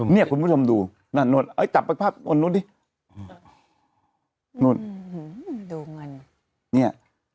เนี้ยคุณผู้ชมดูนั่นโน้ตเอ้ยตับไปภาพบนโน้ตดิโน้ตดูเงินเนี้ย